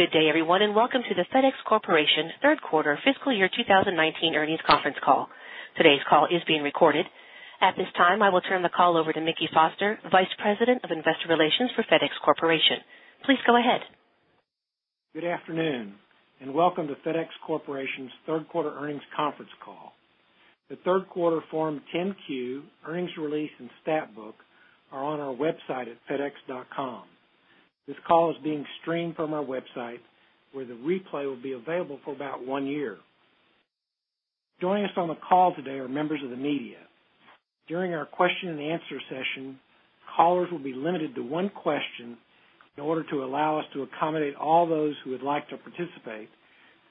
Good day, everyone, and welcome to the FedEx Corporation third quarter fiscal year 2019 earnings conference call. Today's call is being recorded. At this time, I will turn the call over to Mickey Foster, Vice President of Investor Relations for FedEx Corporation. Please go ahead. Good afternoon, and welcome to FedEx Corporation's third quarter earnings conference call. The third quarter Form 10-Q, earnings release, and stat book are on our website at fedex.com. This call is being streamed from our website, where the replay will be available for about one year. Joining us on the call today are members of the media. During our question and answer session, callers will be limited to one question in order to allow us to accommodate all those who would like to participate,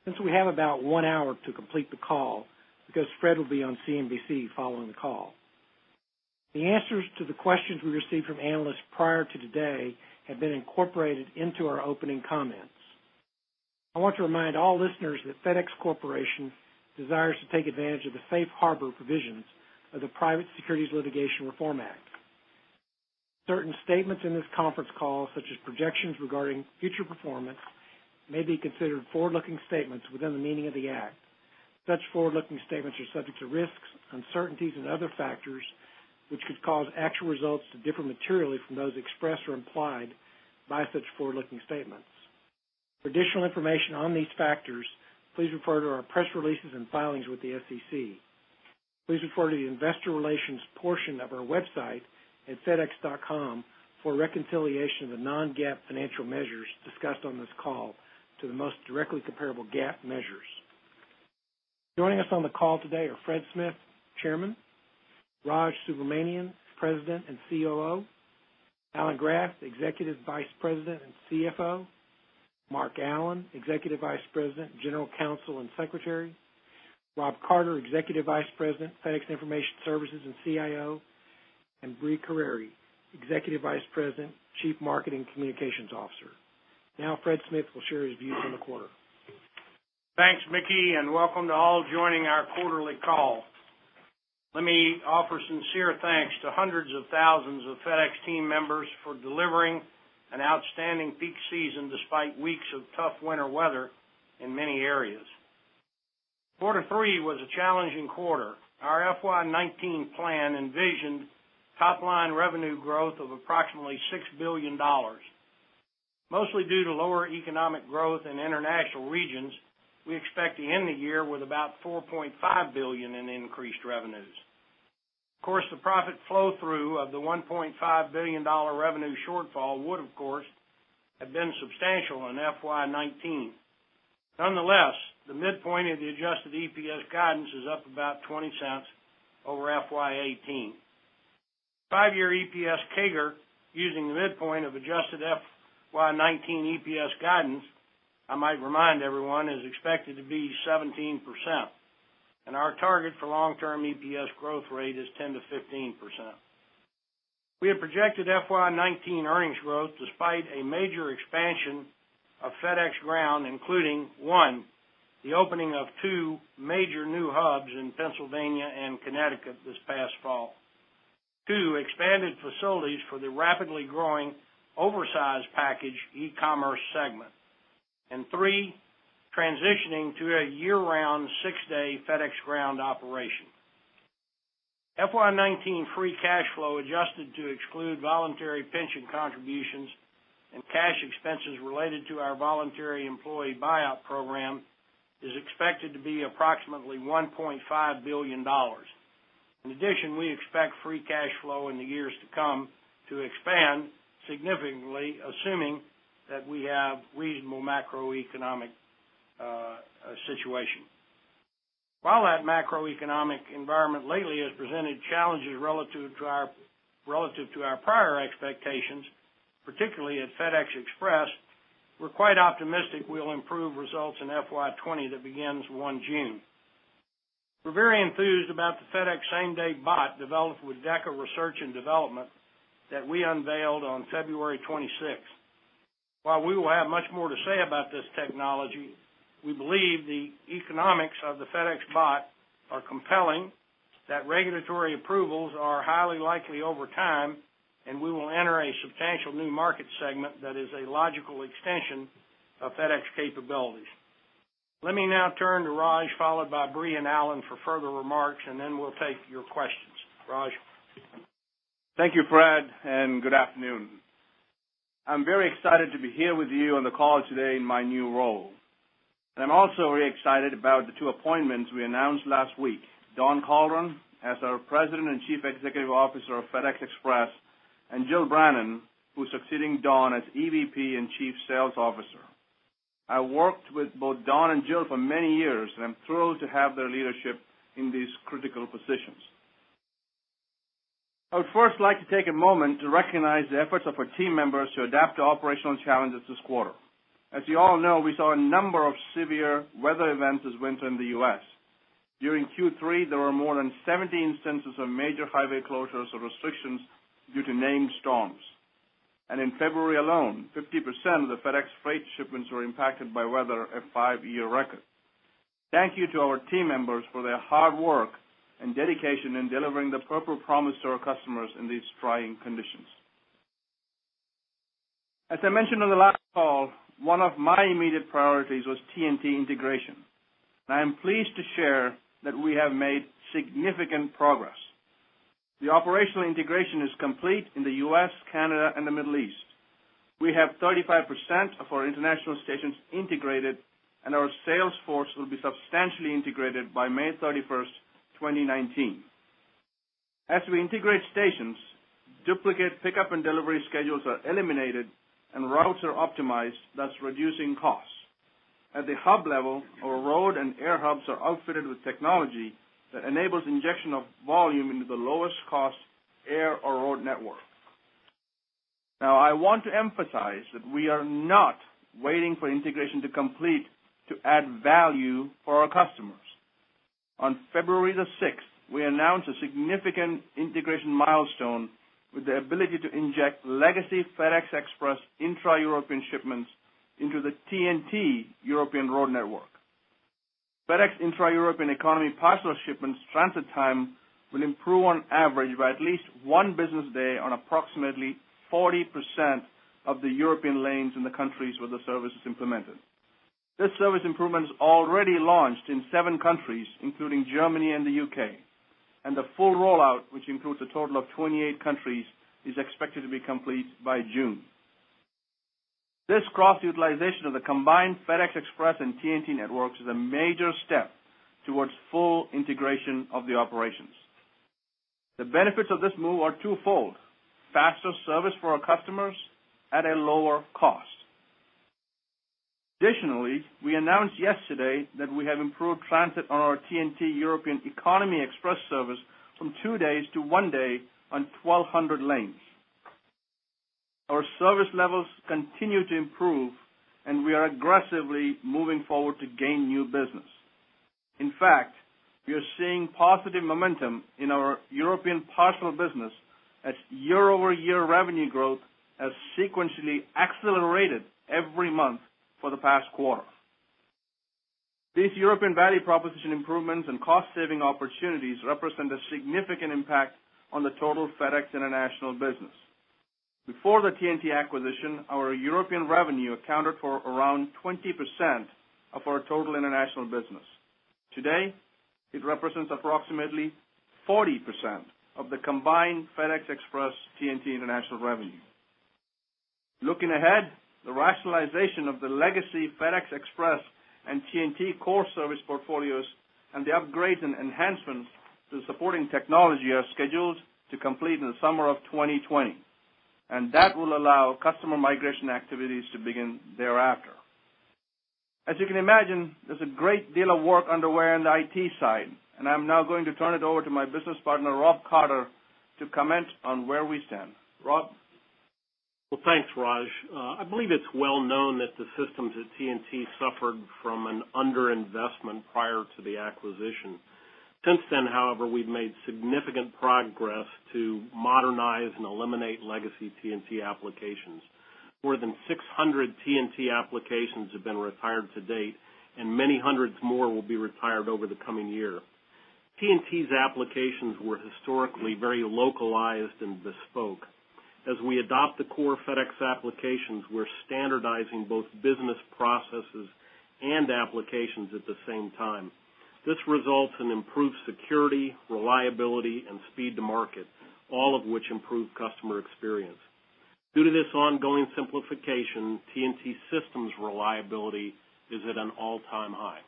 since we have about one hour to complete the call, because Fred will be on CNBC following the call. The answers to the questions we received from analysts prior to today have been incorporated into our opening comments. I want to remind all listeners that FedEx Corporation desires to take advantage of the safe harbor provisions of the Private Securities Litigation Reform Act. Certain statements in this conference call, such as projections regarding future performance, may be considered forward-looking statements within the meaning of the Act. Such forward-looking statements are subject to risks, uncertainties, and other factors, which could cause actual results to differ materially from those expressed or implied by such forward-looking statements. For additional information on these factors, please refer to our press releases and filings with the SEC. Please refer to the investor relations portion of our website at fedex.com for reconciliation of the non-GAAP financial measures discussed on this call to the most directly comparable GAAP measures. Joining us on the call today are Fred Smith, Chairman, Raj Subramaniam, President and COO, Alan Graf, Executive Vice President and CFO, Mark Allen, Executive Vice President, General Counsel, and Secretary, Rob Carter, Executive Vice President, FedEx Information Services and CIO, and Brie Carere, Executive Vice President, Chief Marketing and Communications Officer. Fred Smith will share his views on the quarter. Thanks, Mickey, and welcome to all joining our quarterly call. Let me offer sincere thanks to hundreds of thousands of FedEx team members for delivering an outstanding peak season despite weeks of tough winter weather in many areas. Quarter three was a challenging quarter. Our FY 2019 plan envisioned top-line revenue growth of approximately $6 billion. Mostly due to lower economic growth in international regions, we expect to end the year with about $4.5 billion in increased revenues. Of course, the profit flow-through of the $1.5 billion revenue shortfall would, of course, have been substantial in FY 2019. Nonetheless, the midpoint of the adjusted EPS guidance is up about $0.20 over FY 2018. Five-year EPS CAGR using the midpoint of adjusted FY 2019 EPS guidance, I might remind everyone, is expected to be 17%. Our target for long-term EPS growth rate is 10%-15%. We have projected FY 2019 earnings growth despite a major expansion of FedEx Ground, including, one, the opening of two major new hubs in Pennsylvania and Connecticut this past fall. Two, expanded facilities for the rapidly growing oversized package e-commerce segment. Three, transitioning to a year-round six-day FedEx Ground operation. FY 2019 free cash flow adjusted to exclude voluntary pension contributions and cash expenses related to our voluntary employee buyout program is expected to be approximately $1.5 billion. In addition, we expect free cash flow in the years to come to expand significantly, assuming that we have reasonable macroeconomic situation. While that macroeconomic environment lately has presented challenges relative to our prior expectations, particularly at FedEx Express, we're quite optimistic we'll improve results in FY 2020 that begins 1 June. We're very enthused about the FedEx SameDay Bot developed with DEKA Research & Development that we unveiled on February 26th. While we will have much more to say about this technology, we believe the economics of the FedEx Bot are compelling, that regulatory approvals are highly likely over time, and we will enter a substantial new market segment that is a logical extension of FedEx capabilities. Let me now turn to Raj, followed by Brie and Alan for further remarks, and then we'll take your questions. Raj? Thank you, Fred, good afternoon. I'm very excited to be here with you on the call today in my new role. I'm also very excited about the two appointments we announced last week. Don Colleran as our President and Chief Executive Officer of FedEx Express, Jill Brannon, who's succeeding Don as EVP and Chief Sales Officer. I worked with both Don and Jill for many years, and I'm thrilled to have their leadership in these critical positions. I would first like to take a moment to recognize the efforts of our team members to adapt to operational challenges this quarter. As you all know, we saw a number of severe weather events this winter in the U.S. During Q3, there were more than 70 instances of major highway closures or restrictions due to named storms. In February alone, 50% of the FedEx Freight shipments were impacted by weather, a five-year record. Thank you to our team members for their hard work and dedication in delivering the Purple Promise to our customers in these trying conditions. As I mentioned on the last call, one of my immediate priorities was TNT integration. I am pleased to share that we have made significant progress. The operational integration is complete in the U.S., Canada, and the Middle East. We have 35% of our international stations integrated, and our sales force will be substantially integrated by May 31, 2019. As we integrate stations, duplicate pickup and delivery schedules are eliminated and routes are optimized, thus reducing costs. At the hub level, our road and air hubs are outfitted with technology that enables injection of volume into the lowest cost air or road network. I want to emphasize that we are not waiting for integration to complete to add value for our customers. On February 6, we announced a significant integration milestone with the ability to inject legacy FedEx Express intra-European shipments into the TNT European road network. FedEx intra-European economy parcel shipments transit time will improve on average by at least one business day on approximately 40% of the European lanes in the countries where the service is implemented. This service improvement's already launched in seven countries, including Germany and the U.K., and the full rollout, which includes a total of 28 countries, is expected to be complete by June. This cross-utilization of the combined FedEx Express and TNT networks is a major step towards full integration of the operations. The benefits of this move are twofold: faster service for our customers at a lower cost. We announced yesterday that we have improved transit on our TNT Economy Express service from two days to one day on 1,200 lanes. Our service levels continue to improve, and we are aggressively moving forward to gain new business. In fact, we are seeing positive momentum in our European parcel business as year-over-year revenue growth has sequentially accelerated every month for the past quarter. These European value proposition improvements and cost-saving opportunities represent a significant impact on the total FedEx international business. Before the TNT acquisition, our European revenue accounted for around 20% of our total international business. Today, it represents approximately 40% of the combined FedEx Express TNT international revenue. The rationalization of the legacy FedEx Express and TNT core service portfolios and the upgrades and enhancements to the supporting technology are scheduled to complete in the summer of 2020, and that will allow customer migration activities to begin thereafter. As you can imagine, there's a great deal of work underway on the IT side, and I'm now going to turn it over to my business partner, Rob Carter, to comment on where we stand. Rob? Thanks, Raj. I believe it's well known that the systems at TNT suffered from an under-investment prior to the acquisition. Since then, however, we've made significant progress to modernize and eliminate legacy TNT applications. More than 600 TNT applications have been retired to date, and many hundreds more will be retired over the coming year. TNT's applications were historically very localized and bespoke. As we adopt the core FedEx applications, we're standardizing both business processes and applications at the same time. This results in improved security, reliability, and speed to market, all of which improve customer experience. Due to this ongoing simplification, TNT systems reliability is at an all-time high.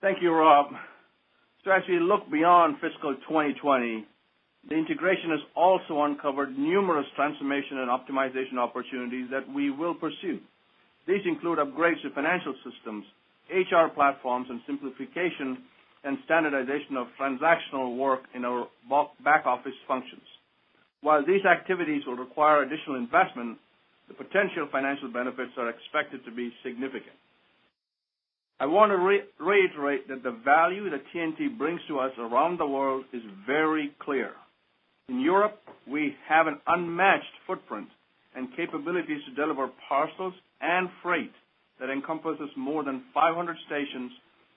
Thank you, Rob. To actually look beyond fiscal 2020, the integration has also uncovered numerous transformation and optimization opportunities that we will pursue. These include upgrades to financial systems, HR platforms, and simplification and standardization of transactional work in our back office functions. While these activities will require additional investment, the potential financial benefits are expected to be significant. I want to reiterate that the value that TNT brings to us around the world is very clear. In Europe, we have an unmatched footprint and capabilities to deliver parcels and freight that encompasses more than 500 stations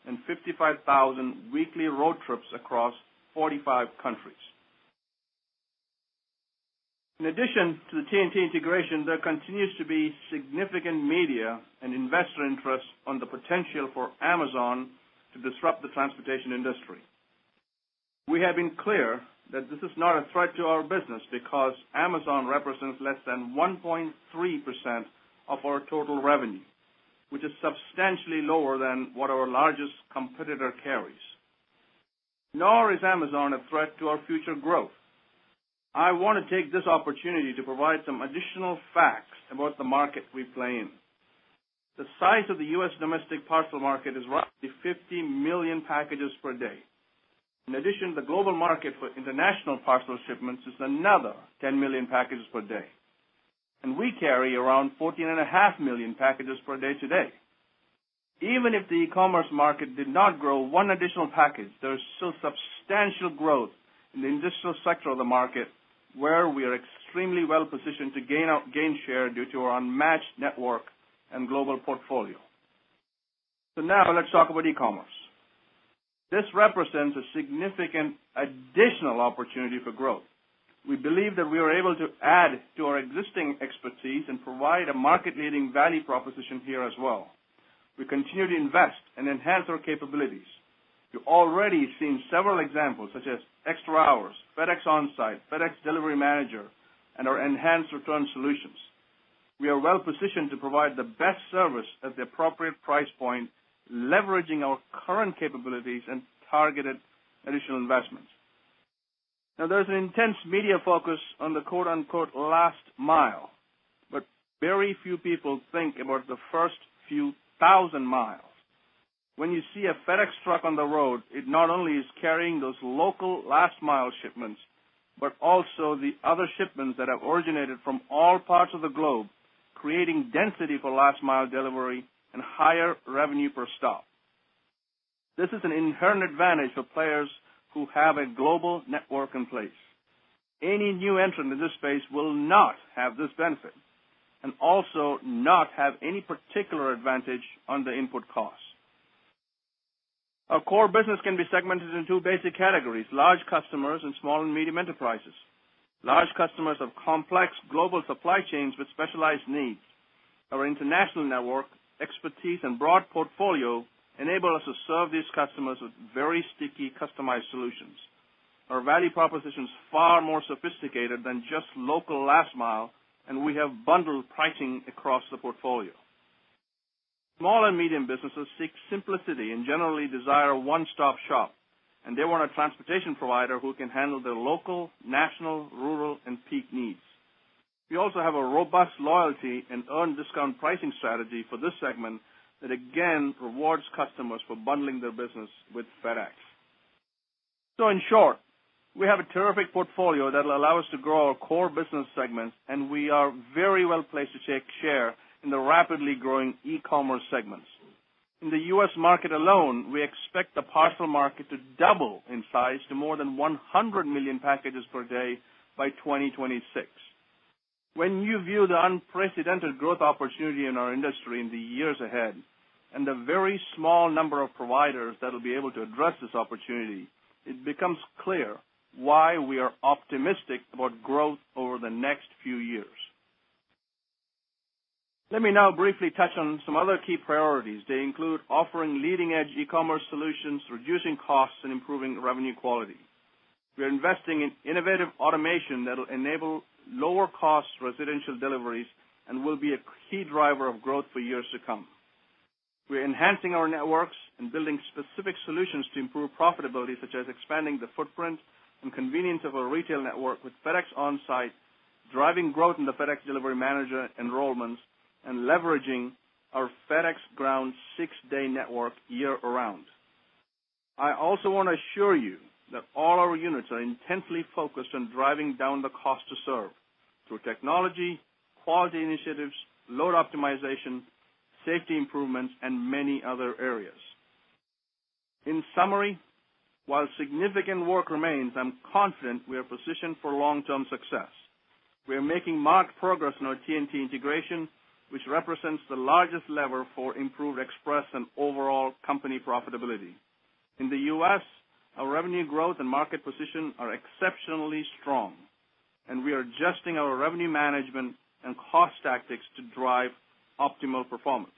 and 55,000 weekly road trips across 45 countries. In addition to the TNT integration, there continues to be significant media and investor interest on the potential for Amazon to disrupt the transportation industry. We have been clear that this is not a threat to our business because Amazon represents less than 1.3% of our total revenue, which is substantially lower than what our largest competitor carries. Nor is Amazon a threat to our future growth. I want to take this opportunity to provide some additional facts about the market we play in. The size of the U.S. domestic parcel market is roughly 50 million packages per day. In addition, the global market for international parcel shipments is another 10 million packages per day. We carry around 14.5 million packages per day today. Even if the e-commerce market did not grow one additional package, there's still substantial growth in the industrial sector of the market, where we are extremely well positioned to gain share due to our unmatched network and global portfolio. Now let's talk about e-commerce. This represents a significant additional opportunity for growth. We believe that we are able to add to our existing expertise and provide a market-leading value proposition here as well. We continue to invest and enhance our capabilities. You've already seen several examples, such as FedEx Extra Hours, FedEx OnSite, FedEx Delivery Manager, and our enhanced return solutions. We are well positioned to provide the best service at the appropriate price point, leveraging our current capabilities and targeted additional investments. Now, there's an intense media focus on the "last mile," but very few people think about the first few thousand miles. When you see a FedEx truck on the road, it not only is carrying those local last mile shipments, but also the other shipments that have originated from all parts of the globe, creating density for last mile delivery and higher revenue per stop. This is an inherent advantage for players who have a global network in place. Any new entrant in this space will not have this benefit, and also not have any particular advantage on the input costs. Our core business can be segmented in two basic categories: large customers and small and medium enterprises. Large customers have complex global supply chains with specialized needs. Our international network, expertise, and broad portfolio enable us to serve these customers with very sticky customized solutions. Our value proposition is far more sophisticated than just local last mile, and we have bundled pricing across the portfolio. Small and medium businesses seek simplicity and generally desire a one-stop shop, and they want a transportation provider who can handle their local, national, rural, and peak needs. In short, we have a terrific portfolio that will allow us to grow our core business segments, and we are very well placed to take share in the rapidly growing e-commerce segments. In the U.S. market alone, we expect the parcel market to double in size to more than 100 million packages per day by 2026. When you view the unprecedented growth opportunity in our industry in the years ahead, and the very small number of providers that will be able to address this opportunity, it becomes clear why we are optimistic about growth over the next few years. Let me now briefly touch on some other key priorities. They include offering leading-edge e-commerce solutions, reducing costs, and improving revenue quality. We're investing in innovative automation that'll enable lower cost residential deliveries and will be a key driver of growth for years to come. We're enhancing our networks and building specific solutions to improve profitability, such as expanding the footprint and convenience of our retail network with FedEx OnSite, driving growth in the FedEx Delivery Manager enrollments, and leveraging our FedEx Ground Six Day network year-round. I also want to assure you that all our units are intensely focused on driving down the cost to serve through technology, quality initiatives, load optimization, safety improvements, and many other areas. In summary, while significant work remains, I'm confident we are positioned for long-term success. We are making marked progress in our TNT integration, which represents the largest lever for improved express and overall company profitability. In the U.S., our revenue growth and market position are exceptionally strong, and we are adjusting our revenue management and cost tactics to drive optimal performance.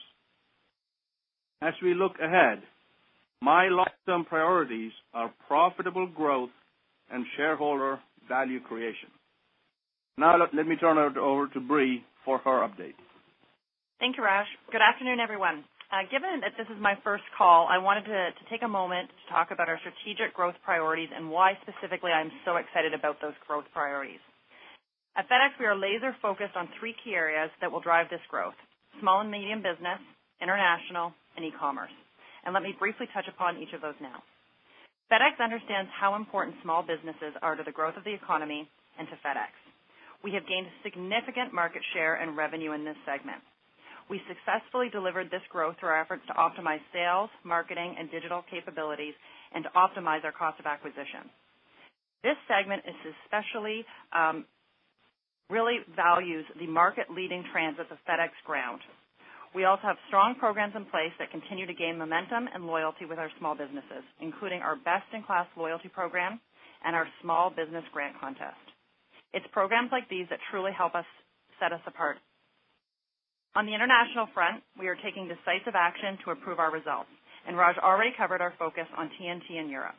As we look ahead, my lifetime priorities are profitable growth and shareholder value creation. Let me turn it over to Brie for her update. Thank you, Raj. Good afternoon, everyone. Given that this is my first call, I wanted to take a moment to talk about our strategic growth priorities and why specifically I'm so excited about those growth priorities. At FedEx, we are laser-focused on three key areas that will drive this growth: small and medium business, international, and e-commerce. Let me briefly touch upon each of those now. FedEx understands how important small businesses are to the growth of the economy and to FedEx. We have gained significant market share and revenue in this segment. We successfully delivered this growth through our efforts to optimize sales, marketing, and digital capabilities and to optimize our cost of acquisition. This segment especially really values the market-leading transit of FedEx Ground. We also have strong programs in place that continue to gain momentum and loyalty with our small businesses, including our best-in-class loyalty program and our small business grant contest. It's programs like these that truly help set us apart. On the international front, we are taking decisive action to improve our results, and Raj already covered our focus on TNT in Europe.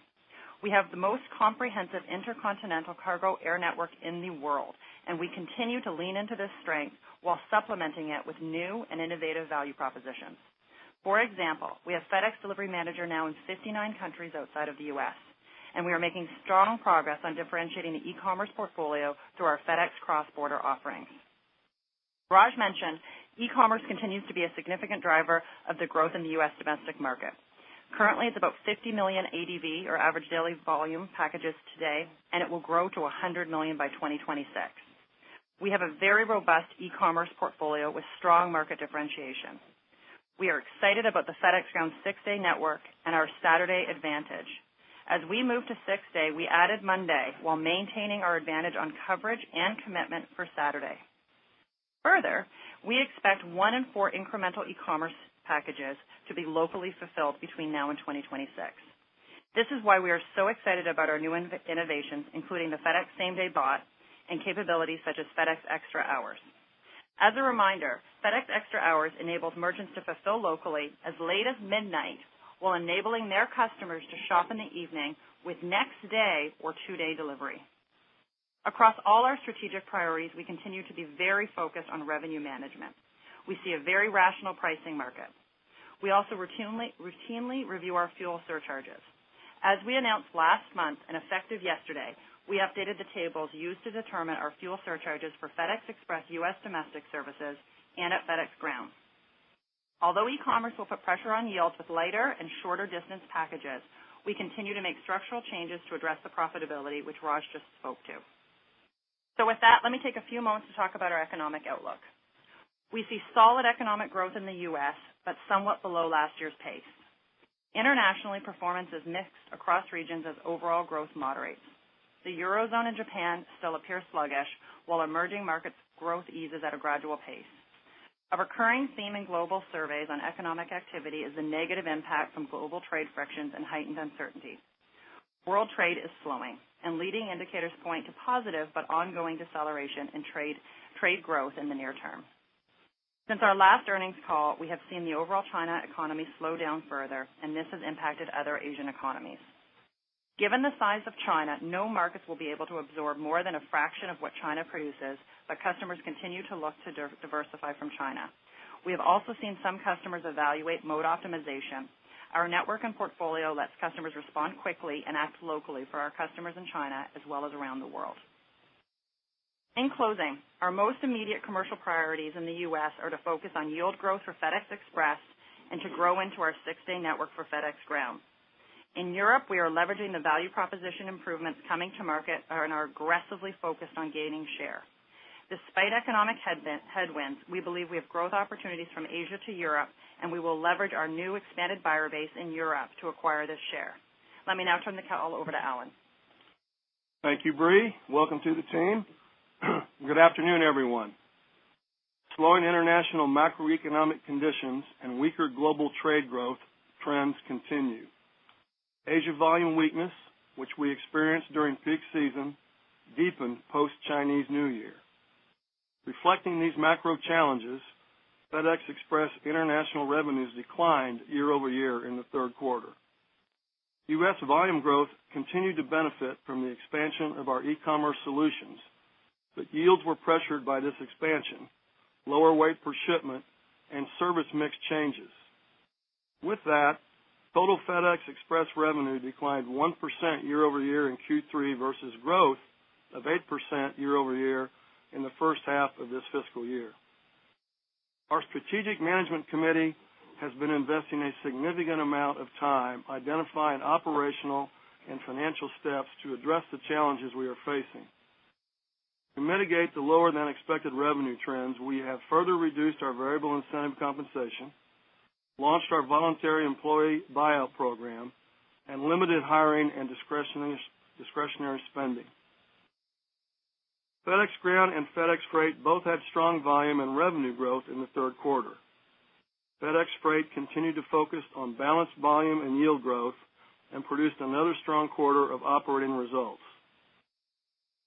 We have the most comprehensive intercontinental cargo air network in the world, and we continue to lean into this strength while supplementing it with new and innovative value propositions. For example, we have FedEx Delivery Manager now in 59 countries outside of the U.S., and we are making strong progress on differentiating the e-commerce portfolio through our FedEx Cross Border offerings. Raj mentioned e-commerce continues to be a significant driver of the growth in the U.S. domestic market. Currently, it's about 50 million ADV, or Average Daily Volume, packages today, and it will grow to 100 million by 2026. We have a very robust e-commerce portfolio with strong market differentiation. We are excited about the FedEx Ground six-day network and our Saturday advantage. As we move to six day, we added Monday while maintaining our advantage on coverage and commitment for Saturday. Further, we expect 1 in 4 incremental e-commerce packages to be locally fulfilled between now and 2026. This is why we are so excited about our new innovations, including the FedEx SameDay Bot and capabilities such as FedEx Extra Hours. As a reminder, FedEx Extra Hours enables merchants to fulfill locally as late as midnight, while enabling their customers to shop in the evening with next-day or two-day delivery. Across all our strategic priorities, we continue to be very focused on revenue management. We see a very rational pricing market. We also routinely review our fuel surcharges. As we announced last month and effective yesterday, we updated the tables used to determine our fuel surcharges for FedEx Express U.S. Domestic services and at FedEx Ground. Although e-commerce will put pressure on yields with lighter and shorter distance packages, we continue to make structural changes to address the profitability, which Raj just spoke to. With that, let me take a few moments to talk about our economic outlook. We see solid economic growth in the U.S., but somewhat below last year's pace. Internationally, performance is mixed across regions as overall growth moderates. The Eurozone and Japan still appear sluggish, while emerging markets growth eases at a gradual pace. A recurring theme in global surveys on economic activity is the negative impact from global trade frictions and heightened uncertainty. World trade is slowing, leading indicators point to positive but ongoing deceleration in trade growth in the near term. Since our last earnings call, we have seen the overall China economy slow down further, and this has impacted other Asian economies. Given the size of China, no markets will be able to absorb more than a fraction of what China produces, but customers continue to look to diversify from China. We have also seen some customers evaluate mode optimization. Our network and portfolio lets customers respond quickly and act locally for our customers in China as well as around the world. In closing, our most immediate commercial priorities in the U.S. are to focus on yield growth for FedEx Express and to grow into our six-day network for FedEx Ground. In Europe, we are leveraging the value proposition improvements coming to market and are aggressively focused on gaining share. Despite economic headwinds, we believe we have growth opportunities from Asia to Europe, and we will leverage our new expanded buyer base in Europe to acquire this share. Let me now turn the call over to Alan. Thank you, Brie. Welcome to the team. Good afternoon, everyone. Slowing international macroeconomic conditions and weaker global trade growth trends continue. Asia volume weakness, which we experienced during peak season, deepened post-Chinese New Year. Reflecting these macro challenges, FedEx Express international revenues declined year-over-year in the third quarter. U.S. volume growth continued to benefit from the expansion of our e-commerce solutions, but yields were pressured by this expansion, lower weight per shipment, and service mix changes. With that, total FedEx Express revenue declined 1% year-over-year in Q3 versus growth of 8% year-over-year in the first half of this fiscal year. Our strategic management committee has been investing a significant amount of time identifying operational and financial steps to address the challenges we are facing. To mitigate the lower than expected revenue trends, we have further reduced our variable incentive compensation, launched our voluntary employee buyout program, and limited hiring and discretionary spending. FedEx Ground and FedEx Freight both had strong volume and revenue growth in the third quarter. FedEx Freight continued to focus on balanced volume and yield growth and produced another strong quarter of operating results.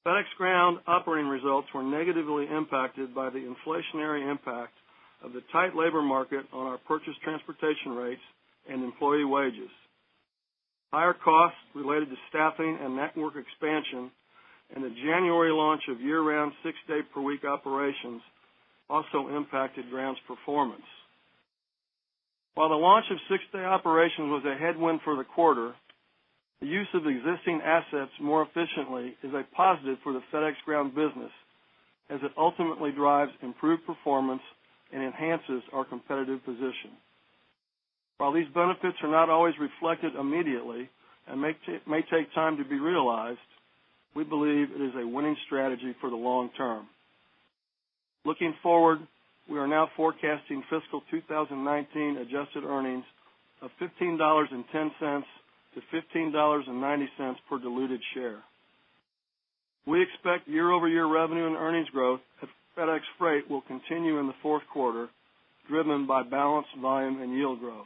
FedEx Ground operating results were negatively impacted by the inflationary impact of the tight labor market on our purchased transportation rates and employee wages. Higher costs related to staffing and network expansion and the January launch of year-round six-day per week operations also impacted Ground's performance. While the launch of six-day operations was a headwind for the quarter, the use of existing assets more efficiently is a positive for the FedEx Ground business, as it ultimately drives improved performance and enhances our competitive position. While these benefits are not always reflected immediately and may take time to be realized, we believe it is a winning strategy for the long term. Looking forward, we are now forecasting fiscal 2019 adjusted earnings of $15.10-$15.90 per diluted share. We expect year-over-year revenue and earnings growth at FedEx Freight will continue in the fourth quarter, driven by balanced volume and yield growth.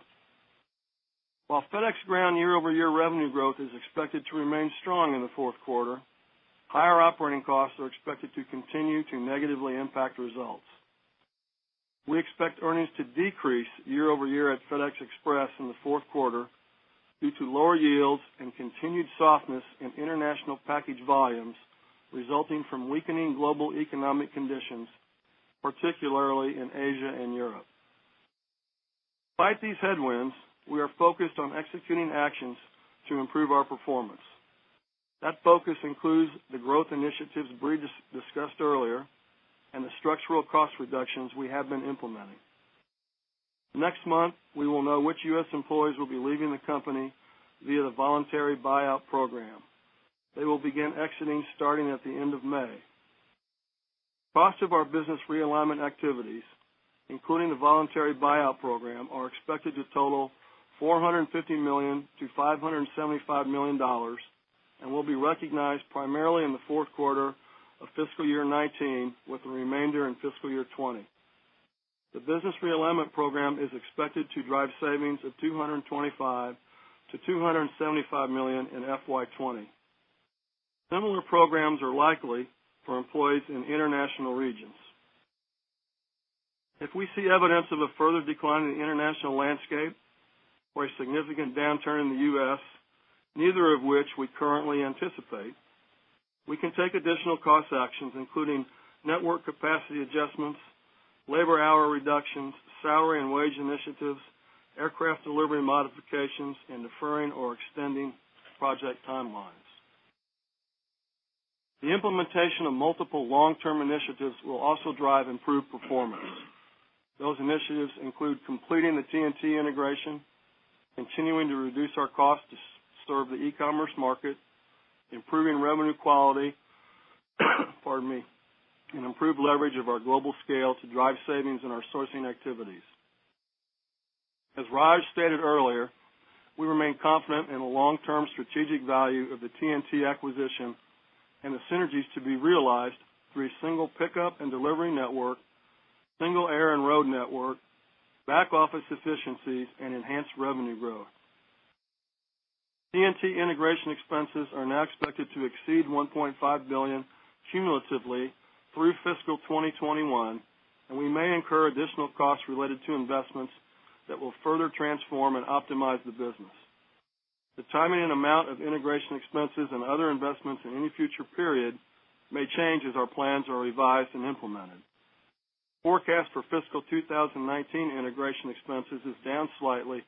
While FedEx Ground year-over-year revenue growth is expected to remain strong in the fourth quarter, higher operating costs are expected to continue to negatively impact results. We expect earnings to decrease year-over-year at FedEx Express in the fourth quarter due to lower yields and continued softness in international package volumes resulting from weakening global economic conditions, particularly in Asia and Europe. Despite these headwinds, we are focused on executing actions to improve our performance. That focus includes the growth initiatives Brie discussed earlier and the structural cost reductions we have been implementing. Next month, we will know which U.S. employees will be leaving the company via the Voluntary Buyout Program. They will begin exiting starting at the end of May. Cost of our business realignment activities, including the Voluntary Buyout Program, are expected to total $450 million-$575 million, and will be recognized primarily in the fourth quarter of fiscal year 2019, with the remainder in fiscal year 2020. The business realignment program is expected to drive savings of $225 million-$275 million in FY 2020. Similar programs are likely for employees in international regions. If we see evidence of a further decline in the international landscape or a significant downturn in the U.S., neither of which we currently anticipate, we can take additional cost actions, including network capacity adjustments, labor hour reductions, salary and wage initiatives, aircraft delivery modifications, and deferring or extending project timelines. The implementation of multiple long-term initiatives will also drive improved performance. Those initiatives include completing the TNT integration, continuing to reduce our cost to serve the e-commerce market, improving revenue quality, and improved leverage of our global scale to drive savings in our sourcing activities. As Raj stated earlier, we remain confident in the long-term strategic value of the TNT acquisition and the synergies to be realized through a single pickup and delivery network, single air and road network, back office efficiencies, and enhanced revenue growth. TNT integration expenses are now expected to exceed $1.5 billion cumulatively through fiscal 2021, and we may incur additional costs related to investments that will further transform and optimize the business. The timing and amount of integration expenses and other investments in any future period may change as our plans are revised and implemented. Forecast for fiscal 2019 integration expenses is down slightly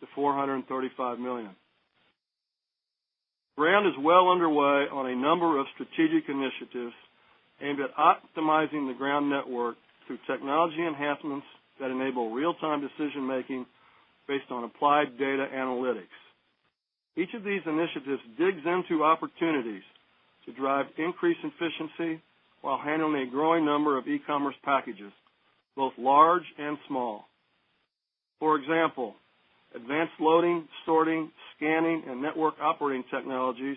to $435 million. Ground is well underway on a number of strategic initiatives aimed at optimizing the Ground network through technology enhancements that enable real-time decision making based on applied data analytics. Each of these initiatives digs into opportunities to drive increased efficiency while handling a growing number of e-commerce packages, both large and small. For example, advanced loading, sorting, scanning, and network operating technologies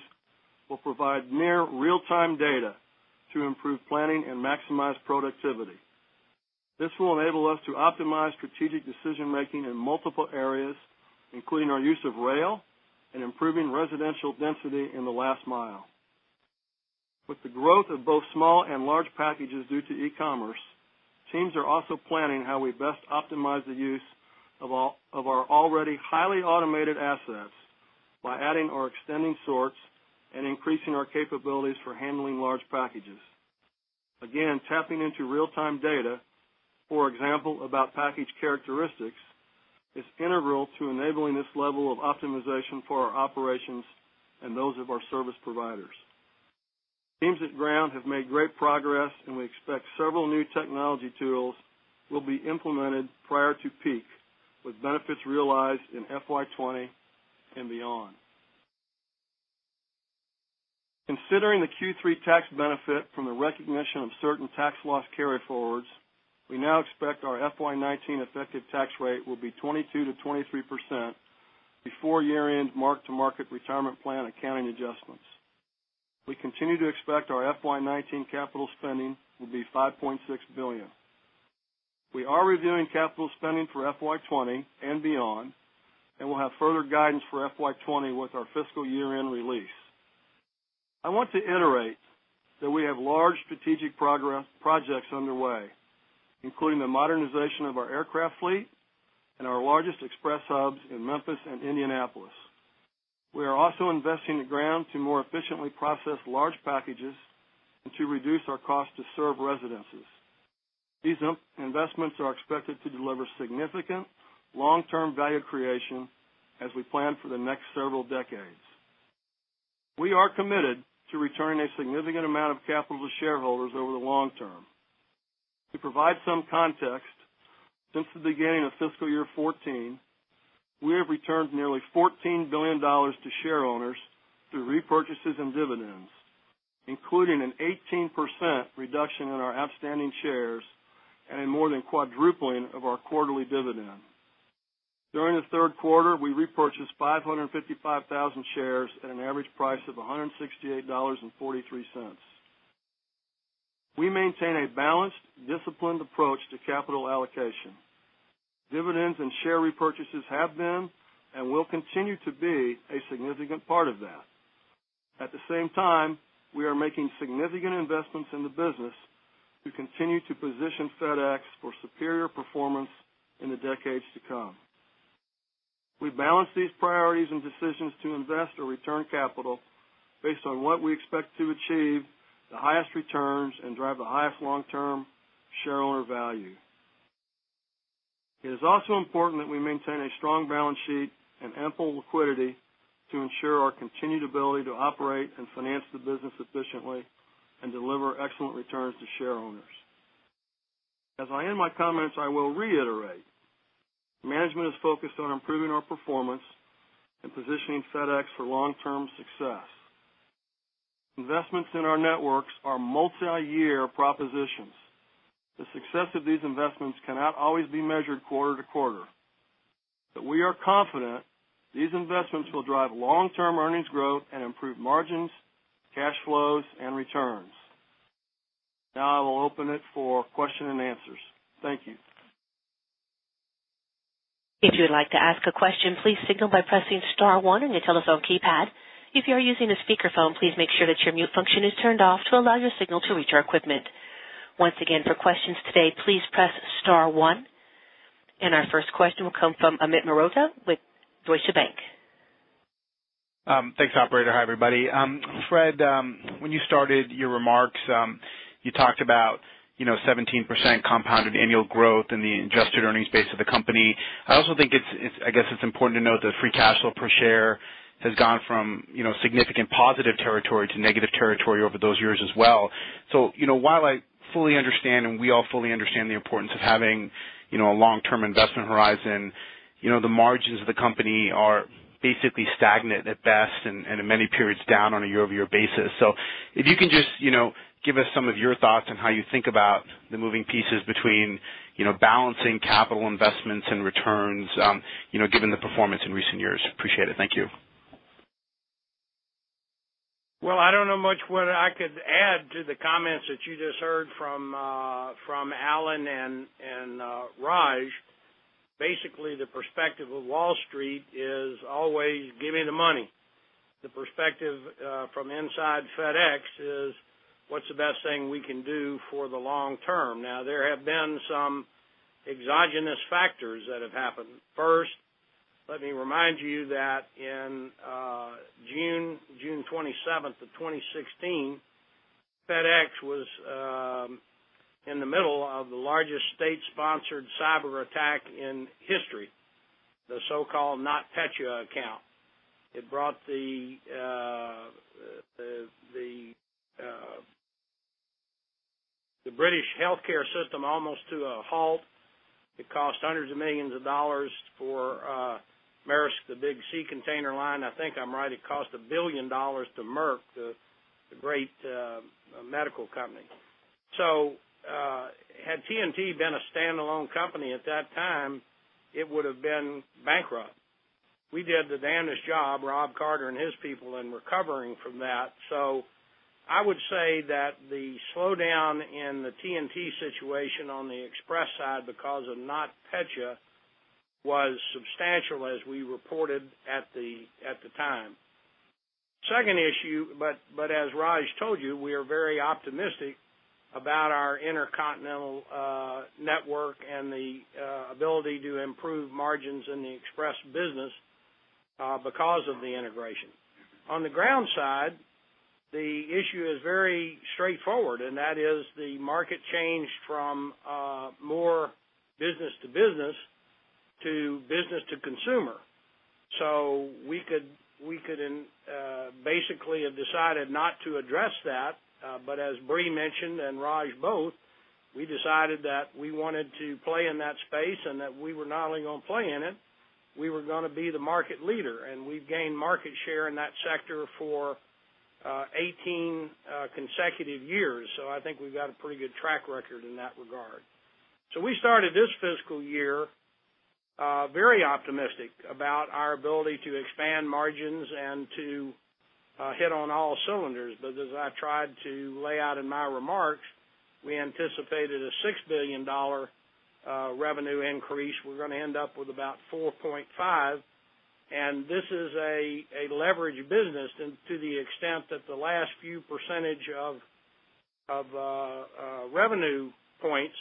will provide near real-time data to improve planning and maximize productivity. This will enable us to optimize strategic decision making in multiple areas, including our use of rail and improving residential density in the last mile. With the growth of both small and large packages due to e-commerce, teams are also planning how we best optimize the use of our already highly automated assets by adding or extending sorts and increasing our capabilities for handling large packages. Again, tapping into real-time data, for example, about package characteristics, is integral to enabling this level of optimization for our operations and those of our service providers. Teams at Ground have made great progress, and we expect several new technology tools will be implemented prior to peak, with benefits realized in FY 2020 and beyond. Considering the Q3 tax benefit from the recognition of certain tax loss carryforwards, we now expect our FY 2019 effective tax rate will be 22%-23% before year-end mark-to-market retirement plan accounting adjustments. We continue to expect our FY 2019 capital spending will be $5.6 billion. We are reviewing capital spending for FY 2020 and beyond, and we'll have further guidance for FY 2020 with our fiscal year-end release. I want to iterate that we have large strategic projects underway, including the modernization of our aircraft fleet and our largest express hubs in Memphis and Indianapolis. We are also investing in Ground to more efficiently process large packages and to reduce our cost to serve residences. These investments are expected to deliver significant long-term value creation as we plan for the next several decades. We are committed to returning a significant amount of capital to shareholders over the long term. To provide some context, since the beginning of fiscal year 2014, we have returned nearly $14 billion to shareowners through repurchases and dividends, including an 18% reduction in our outstanding shares and a more than quadrupling of our quarterly dividend. During the third quarter, we repurchased 555,000 shares at an average price of $168.43. We maintain a balanced, disciplined approach to capital allocation. Dividends and share repurchases have been and will continue to be a significant part of that. At the same time, we are making significant investments in the business to continue to position FedEx for superior performance in the decades to come. We balance these priorities and decisions to invest or return capital based on what we expect to achieve the highest returns and drive the highest long-term shareowner value. It is also important that we maintain a strong balance sheet and ample liquidity to ensure our continued ability to operate and finance the business efficiently. Deliver excellent returns to shareowners. As I end my comments, I will reiterate, management is focused on improving our performance and positioning FedEx for long-term success. Investments in our networks are multi-year propositions. The success of these investments cannot always be measured quarter-to-quarter. We are confident these investments will drive long-term earnings growth and improve margins, cash flows, and returns. Now I will open it for question and answers. Thank you. If you would like to ask a question, please signal by pressing star one on your telephone keypad. If you are using a speakerphone, please make sure that your mute function is turned off to allow your signal to reach our equipment. Once again, for questions today, please press star one. Our first question will come from Amit Mehrotra with Deutsche Bank. Thanks, operator. Hi, everybody. Fred, when you started your remarks, you talked about 17% compounded annual growth in the adjusted earnings base of the company. I also think it's important to note that free cash flow per share has gone from significant positive territory to negative territory over those years as well. While I fully understand, and we all fully understand the importance of having a long-term investment horizon, the margins of the company are basically stagnant at best and in many periods down on a year-over-year basis. If you can just give us some of your thoughts on how you think about the moving pieces between balancing capital investments and returns, given the performance in recent years. Appreciate it. Thank you. I don't know much what I could add to the comments that you just heard from Alan and Raj. Basically, the perspective of Wall Street is always give me the money. The perspective from inside FedEx is what's the best thing we can do for the long term? Now, there have been some exogenous factors that have happened. First, let me remind you that on June 27th of 2016, FedEx was in the middle of the largest state-sponsored cyberattack in history, the so-called NotPetya attack. It brought the British healthcare system almost to a halt. It cost $ hundreds of millions for Maersk, the big sea container line. I think I'm right, it cost $1 billion to Merck, the great medical company. Had TNT been a standalone company at that time, it would have been bankrupt. We did the damnedest job, Rob Carter and his people, in recovering from that. I would say that the slowdown in the TNT situation on the Express side because of NotPetya was substantial as we reported at the time. Second issue, but as Raj told you, we are very optimistic about our intercontinental network and the ability to improve margins in the Express business because of the integration. On the Ground side, the issue is very straightforward, and that is the market changed from more business-to-business, to business-to-consumer. We could basically have decided not to address that. But as Brie mentioned, and Raj both, we decided that we wanted to play in that space and that we were not only going to play in it, we were going to be the market leader. And we've gained market share in that sector for 18 consecutive years. I think we've got a pretty good track record in that regard. We started this fiscal year very optimistic about our ability to expand margins and to hit on all cylinders. As I tried to lay out in my remarks, we anticipated a $6 billion revenue increase. We're going to end up with about 4.5. And this is a leverage business to the extent that the last few percentage of revenue points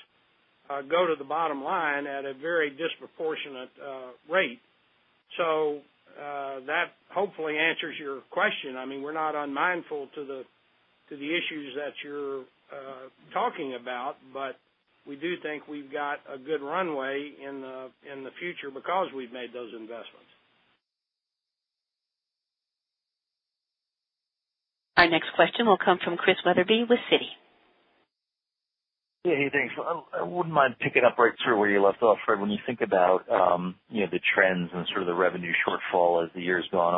go to the bottom line at a very disproportionate rate. Hopefully answers your question. We're not unmindful to the issues that you're talking about, but we do think we've got a good runway in the future because we've made those investments. Our next question will come from Chris Wetherbee with Citi. Hey, thanks. I wouldn't mind picking up right where you left off, Fred. When you think about the trends and sort of the revenue shortfall as the year's gone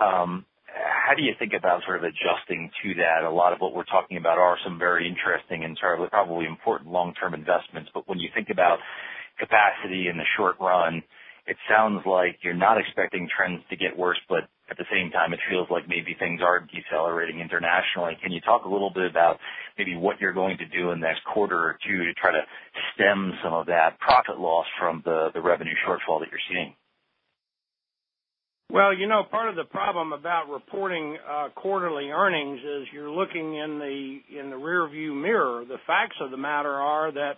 on, how do you think about sort of adjusting to that? A lot of what we're talking about are some very interesting and probably important long-term investments. When you think about capacity in the short run, it sounds like you're not expecting trends to get worse, but at the same time, it feels like maybe things are decelerating internationally. Can you talk a little bit about maybe what you're going to do in the next quarter or two to try to stem some of that profit loss from the revenue shortfall that you're seeing? Well, part of the problem about reporting quarterly earnings is you're looking in the rearview mirror. The facts of the matter are that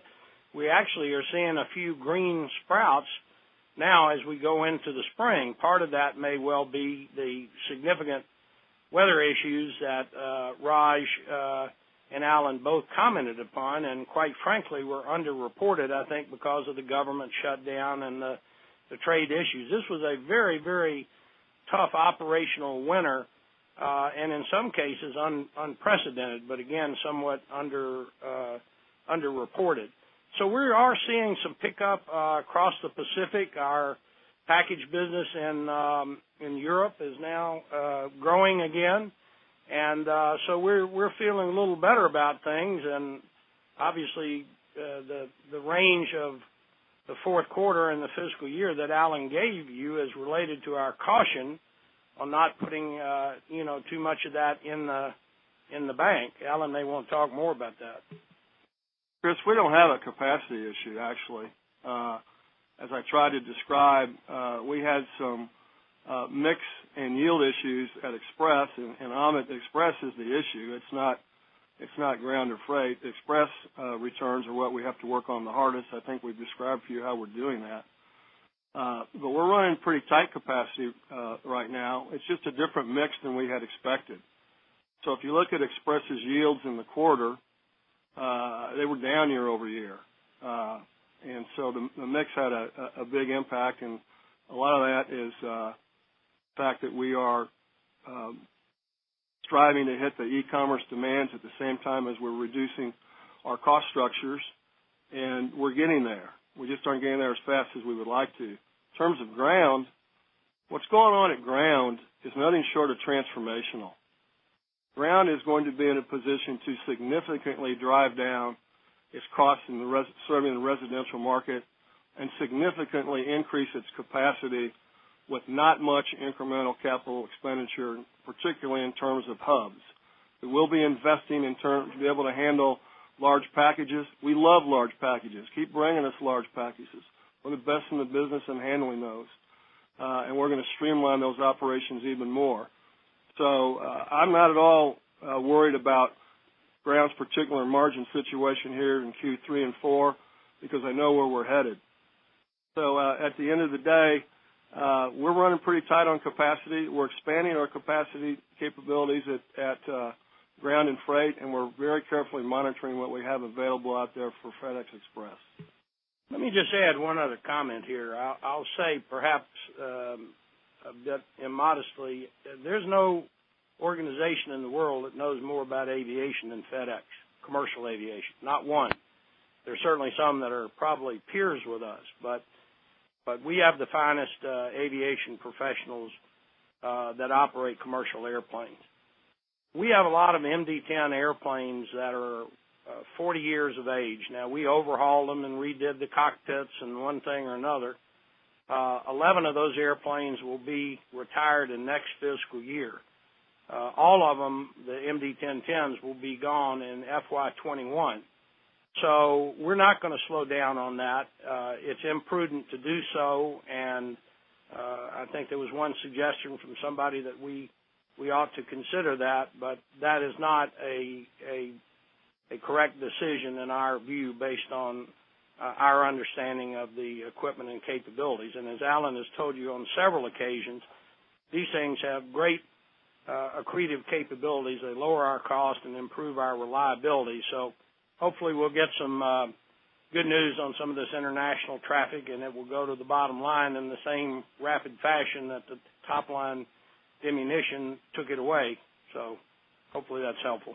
we actually are seeing a few green sprouts now as we go into the spring. Part of that may well be the significant weather issues that Raj and Alan both commented upon, and quite frankly, were underreported, I think, because of the government shutdown and the trade issues. This was a very, very tough operational winter, and in some cases, unprecedented, but again, somewhat underreported. We are seeing some pickup across the Pacific. Our package business in Europe is now growing again. We're feeling a little better about things. Obviously, the range of the fourth quarter and the fiscal year that Alan gave you is related to our caution on not putting too much of that in the bank. Alan may want to talk more about that. Chris, we don't have a capacity issue, actually. As I tried to describe, we had some mix and yield issues at Express, and Express is the issue. It's not Ground or Freight. Express returns are what we have to work on the hardest. I think we've described to you how we're doing that. We're running pretty tight capacity right now. It's just a different mix than we had expected. If you look at Express's yields in the quarter, they were down year-over-year. The mix had a big impact, and a lot of that is the fact that we are striving to hit the e-commerce demands at the same time as we're reducing our cost structures, and we're getting there. We just aren't getting there as fast as we would like to. In terms of Ground, what's going on at Ground is nothing short of transformational. Ground is going to be in a position to significantly drive down its cost in serving the residential market and significantly increase its capacity with not much incremental capital expenditure, particularly in terms of hubs. We will be investing in terms, to be able to handle large packages. We love large packages. Keep bringing us large packages. We're the best in the business in handling those. We're going to streamline those operations even more. I'm not at all worried about Ground's particular margin situation here in Q3 and 4 because I know where we're headed. At the end of the day, we're running pretty tight on capacity. We're expanding our capacity capabilities at Ground and Freight, and we're very carefully monitoring what we have available out there for FedEx Express. Let me just add one other comment here. I'll say perhaps modestly, there's no organization in the world that knows more about aviation than FedEx. Commercial aviation, not one. There's certainly some that are probably peers with us, but we have the finest aviation professionals that operate commercial airplanes. We have a lot of MD-10 airplanes that are 40 years of age now. We overhauled them and redid the cockpits and one thing or another. 11 of those airplanes will be retired in next fiscal year. All of them, the MD-10-10s, will be gone in FY 2021. We're not going to slow down on that. It's imprudent to do so, and I think there was one suggestion from somebody that we ought to consider that, but that is not a correct decision in our view based on our understanding of the equipment and capabilities. As Alan has told you on several occasions, these things have great accretive capabilities. They lower our cost and improve our reliability. Hopefully we'll get some good news on some of this international traffic, and it will go to the bottom line in the same rapid fashion that the top-line ammunition took it away. Hopefully that's helpful.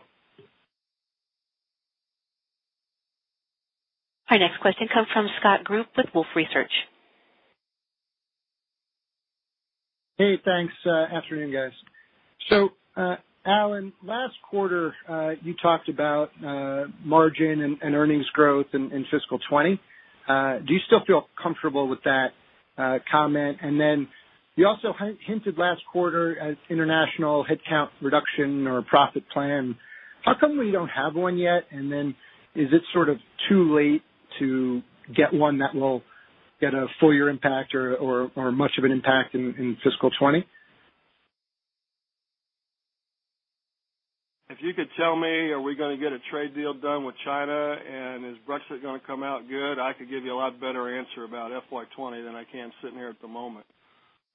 Our next question comes from Scott Group with Wolfe Research. Hey, thanks. Afternoon, guys. Alan, last quarter, you talked about margin and earnings growth in fiscal 2020. Do you still feel comfortable with that comment? You also hinted last quarter at international headcount reduction or profit plan. How come we don't have one yet? Is it sort of too late to get one that will get a full year impact or much of an impact in fiscal 2020? If you could tell me, are we going to get a trade deal done with China and is Brexit going to come out good, I could give you a lot better answer about FY 2020 than I can sitting here at the moment.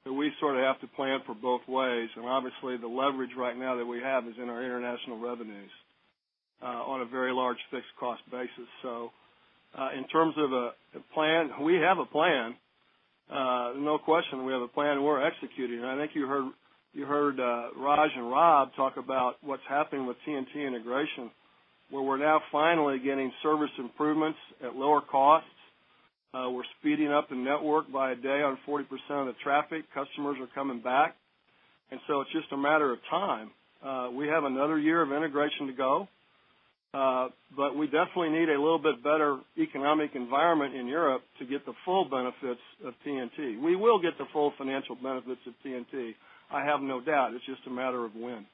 We sort of have to plan for both ways. Obviously, the leverage right now that we have is in our international revenues on a very large fixed cost basis. In terms of a plan, we have a plan. No question we have a plan, and we're executing it. I think you heard Raj and Rob talk about what's happening with TNT integration, where we're now finally getting service improvements at lower costs. We're speeding up the network by a day on 40% of the traffic. Customers are coming back, and so it's just a matter of time. We have another year of integration to go. We definitely need a little bit better economic environment in Europe to get the full benefits of TNT. We will get the full financial benefits of TNT. I have no doubt. It's just a matter of when.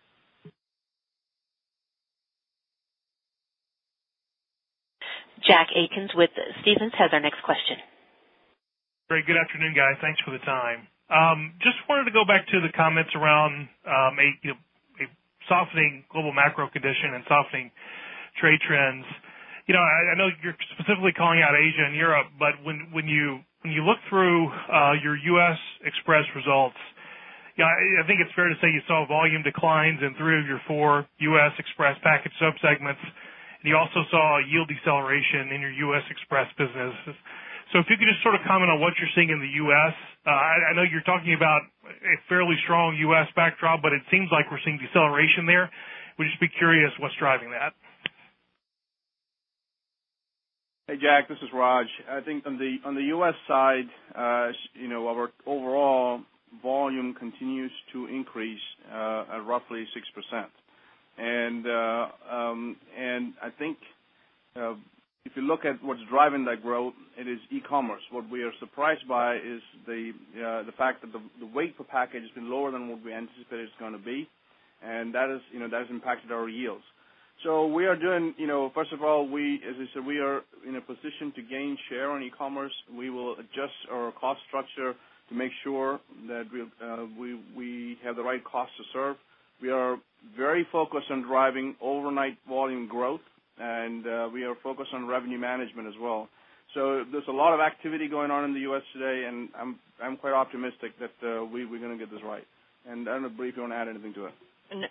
Jack Atkins with Stephens has our next question. Great. Good afternoon, guys. Thanks for the time. Just wanted to go back to the comments around a softening global macro condition and softening trade trends. I know you're specifically calling out Asia and Europe. When you look through your U.S. Express results, I think it's fair to say you saw volume declines in three of your four U.S. Express package subsegments. You also saw a yield deceleration in your U.S. Express businesses. If you could just comment on what you're seeing in the U.S. I know you're talking about a fairly strong U.S. backdrop, but it seems like we're seeing deceleration there. We'd just be curious what's driving that. Hey, Jack, this is Raj. I think on the U.S. side, our overall volume continues to increase at roughly 6%. I think if you look at what's driving that growth, it is e-commerce. What we are surprised by is the fact that the weight per package has been lower than what we anticipated it's going to be, and that has impacted our yields. First of all, as I said, we are in a position to gain share on e-commerce. We will adjust our cost structure to make sure that we have the right cost to serve. We are very focused on driving overnight volume growth, and we are focused on revenue management as well. There's a lot of activity going on in the U.S. today, and I'm quite optimistic that we're going to get this right. I don't know, Brie, if you want to add anything to it.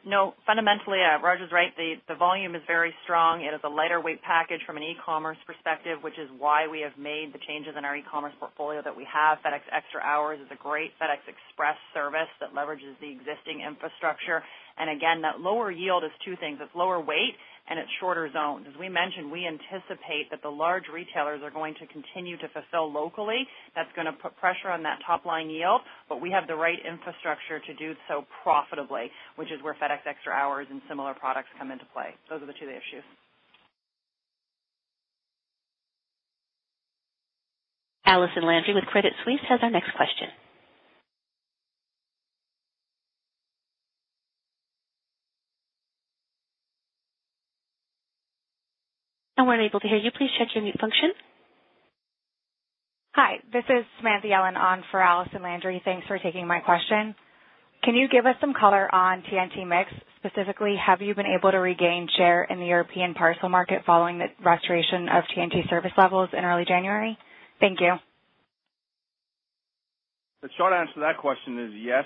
No. Fundamentally, Raj is right. The volume is very strong. It is a lighter weight package from an e-commerce perspective, which is why we have made the changes in our e-commerce portfolio that we have. FedEx Extra Hours is a great FedEx Express service that leverages the existing infrastructure. Again, that lower yield is two things. It's lower weight and it's shorter zones. As we mentioned, we anticipate that the large retailers are going to continue to fulfill locally. That's going to put pressure on that top-line yield. We have the right infrastructure to do so profitably, which is where FedEx Extra Hours and similar products come into play. Those are the two issues. Allison Landry with Credit Suisse has our next question. We're unable to hear you. Please check your mute function. Hi, this is Samantha Yellen on for Allison Landry. Thanks for taking my question. Can you give us some color on TNT mix? Specifically, have you been able to regain share in the European parcel market following the restoration of TNT service levels in early January? Thank you. The short answer to that question is yes.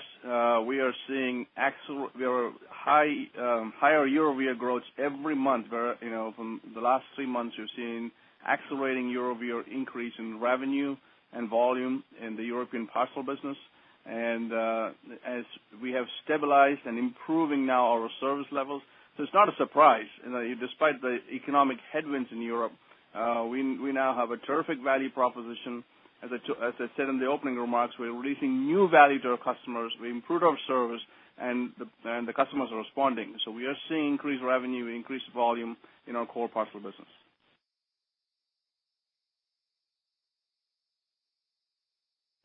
We are seeing higher year-over-year growth every month. From the last three months, we've seen accelerating year-over-year increase in revenue and volume in the European parcel business. As we have stabilized and improving now our service levels. It's not a surprise. Despite the economic headwinds in Europe, we now have a terrific value proposition. As I said in the opening remarks, we're releasing new value to our customers. We improved our service, the customers are responding. We are seeing increased revenue, increased volume in our core parcel business.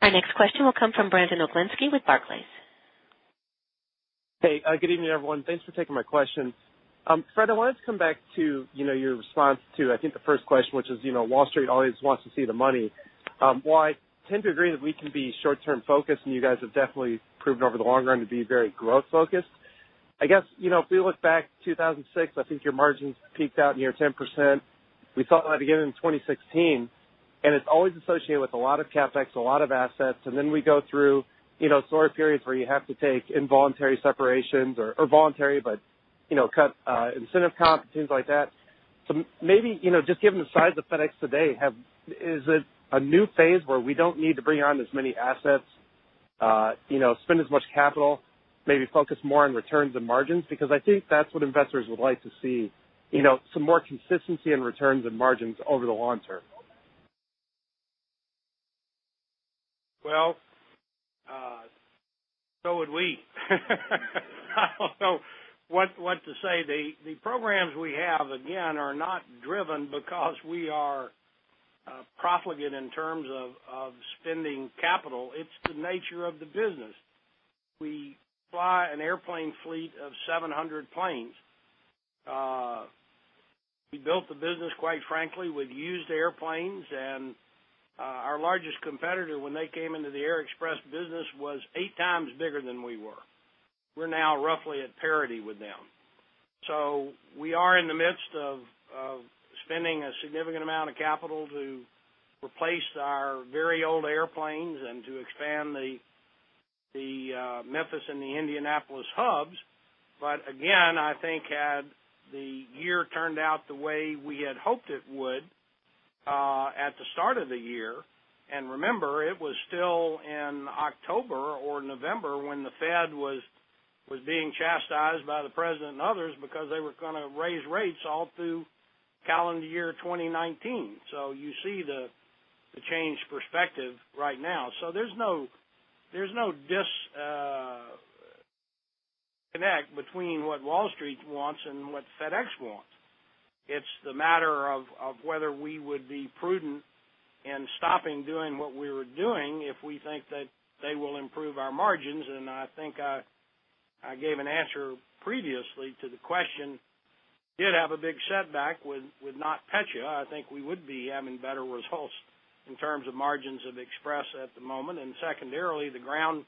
Our next question will come from Brandon Oglenski with Barclays. Hey, good evening, everyone. Thanks for taking my questions. Fred, I wanted to come back to your response to, I think, the first question, which is, Wall Street always wants to see the money. While I tend to agree that we can be short-term focused, you guys have definitely proven over the long run to be very growth focused. I guess, if we look back 2006, I think your margins peaked out near 10%. We saw it again in 2016, it's always associated with a lot of CapEx, a lot of assets, then we go through sore periods where you have to take involuntary separations, or voluntary, but cut incentive comp and things like that. maybe, just given the size of FedEx today, is it a new phase where we don't need to bring on as many assets, spend as much capital, maybe focus more on returns and margins? Because I think that's what investors would like to see. Some more consistency in returns and margins over the long term. would we. I don't know what to say. The programs we have, again, are not driven because we are profligate in terms of spending capital. It's the nature of the business. We fly an airplane fleet of 700 planes. We built the business, quite frankly, with used airplanes, and our largest competitor, when they came into the air express business, was 8 times bigger than we were. We're now roughly at parity with them. We are in the midst of spending a significant amount of capital to replace our very old airplanes and to expand the Memphis and the Indianapolis hubs. again, I think had the year turned out the way we had hoped it would at the start of the year, and remember, it was still in October or November when the Fed was being chastised by the president and others because they were going to raise rates all through calendar year 2019. You see the changed perspective right now. There's no disconnect between what Wall Street wants and what FedEx wants. It's the matter of whether we would be prudent in stopping doing what we were doing if we think that they will improve our margins. I think I gave an answer previously to the question, did have a big setback with NotPetya. I think we would be having better results in terms of margins of Express at the moment. secondarily, the ground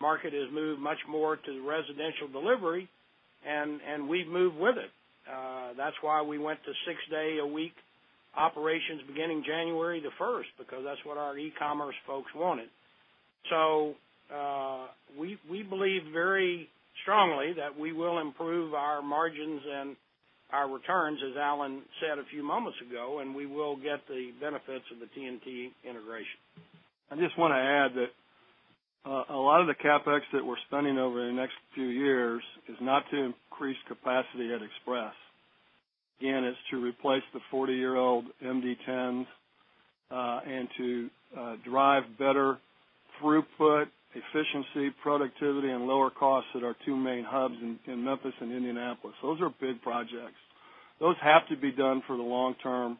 market has moved much more to residential delivery, and we've moved with it. That's why we went to 6 day a week operations beginning January 1st because that's what our e-commerce folks wanted. We believe very strongly that we will improve our margins and our returns, as Alan said a few moments ago, and we will get the benefits of the TNT integration. I just want to add that a lot of the CapEx that we are spending over the next few years is not to increase capacity at Express. Again, it is to replace the 40-year-old MD-10s, and to drive better throughput, efficiency, productivity, and lower costs at our two main hubs in Memphis and Indianapolis. Those are big projects. Those have to be done for the long term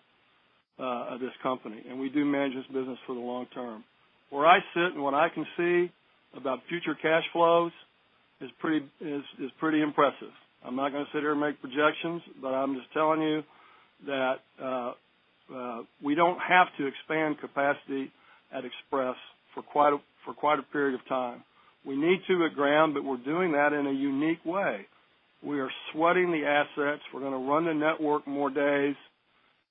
of this company, and we do manage this business for the long term. Where I sit and what I can see about future cash flows is pretty impressive. I'm not going to sit here and make projections, but I am just telling you that we do not have to expand capacity at Express for quite a period of time. We need to at Ground, but we are doing that in a unique way. We are sweating the assets. We are going to run the network more days,